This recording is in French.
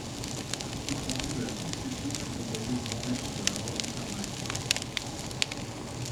Un compte-rendu de la succession fut envoyé au Grand Maître de l'Ordre à Malte.